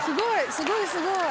すごいすごい！